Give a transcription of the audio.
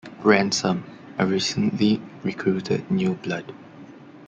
Ransom, a recently recruited newblood.